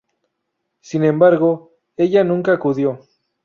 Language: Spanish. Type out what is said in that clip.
Sin embargo, ella nunca acudió.